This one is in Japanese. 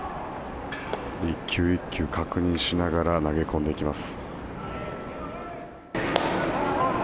１球１球確認しながら投げ込んでいきます。